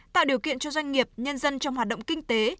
tạo điều kiện cho doanh nghiệp nhân dân trong hoạt động kinh tế